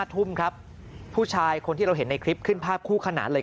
ทุ่มครับผู้ชายคนที่เราเห็นในคลิปขึ้นภาพคู่ขนานเลย